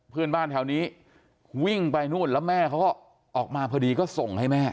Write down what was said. เพื่อนบ้านแถวนี้วิ่งไปนู่นแล้วแม่เขาก็ออกมาพอดีก็ส่งให้แม่